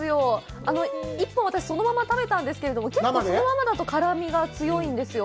１本はそのまま食べたんですけど、そのままだと結構辛みが強いんですよ。